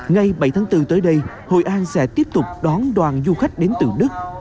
ngày bảy tháng bốn tới đây hội an sẽ tiếp tục đón đoàn du khách đến từ đức